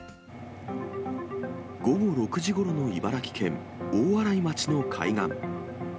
午後６時ごろの茨城県大洗町の海岸。